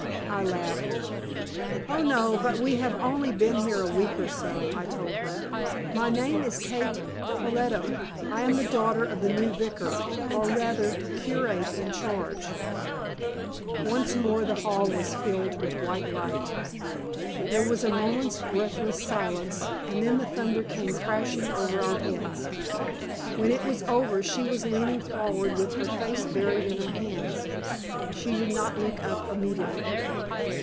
I laughed. "Oh, no; but we have only been here a week or so," I told her. "My name is Kate Ffolliot. I am the daughter of the new vicar, or, rather, curate in charge." Once more the hall was filled with white light. There was a moment's breathless silence, and then the thunder came crashing over our heads. When it was over she was leaning forward with her face buried in her hands. She did not look up immediately.